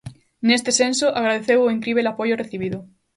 Neste senso, agradeceu o "incríbel" apoio recibido.